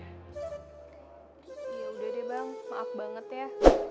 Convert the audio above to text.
yaudah deh bang maaf banget ya